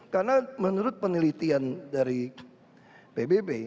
karena menurut penelitian dari pbb